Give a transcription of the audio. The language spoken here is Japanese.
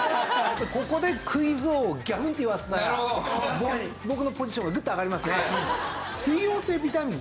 ここでクイズ王をギャフンと言わせたら僕のポジションがグッと上がりますよね。